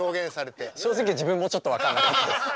正直自分もちょっと分かんなかったです。